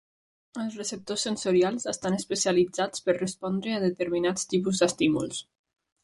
Els receptors sensorials estan especialitzats per respondre a determinats tipus d'estímuls.